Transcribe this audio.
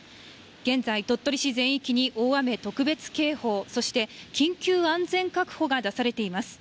現在、鳥取市全域に大雨特別警報、そして緊急安全確保が出されています。